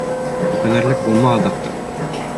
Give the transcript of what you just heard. Үкенерлек булма аҙаҡтан.